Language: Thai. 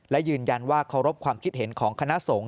และยืนยันว่าเคารพความคิดเห็นของคณะสงฆ